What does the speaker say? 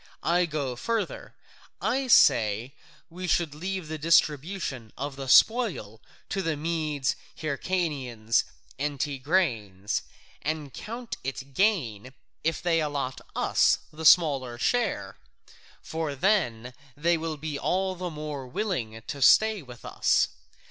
I go further: I say that we should leave the distribution of the spoil to the Medes, the Hyrcanians, and Tigranes, and count it gain if they allot us the smaller share, for then they will be all the more willing to stay with us.